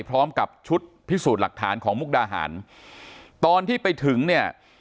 พร้อมกับชุดพิสูจน์หลักฐานของมุกดาหารตอนที่ไปถึงเนี่ย